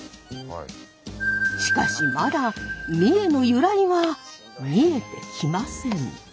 しかしまだ三重の由来は見えてきません。